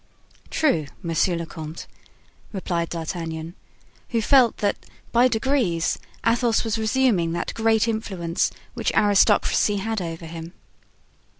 "True, monsieur le comte," replied D'Artagnan, who felt that by degrees Athos was resuming that great influence which aristocracy had over him.